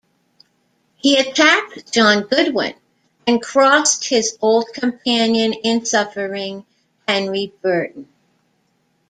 He attacked John Goodwin and crossed his old companion in suffering, Henry Burton.